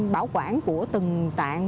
bảo quản của từng tạng